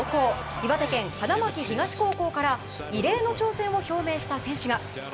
岩手県、花巻東高校から異例の挑戦を表明した選手が。